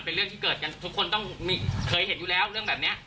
เป็นเรื่องที่เกิดกันทุกคนต้องเคยเห็นอยู่แล้วเรื่องแบบนี้